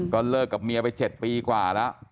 ก็เลิกกับเมียไป๗ปีกว่าแล้ว